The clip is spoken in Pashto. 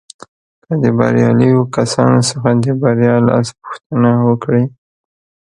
که د برياليو کسانو څخه د بريا راز پوښتنه وکړئ.